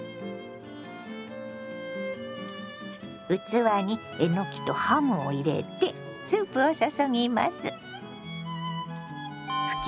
器にえのきとハムを入れてスープを注ぎます。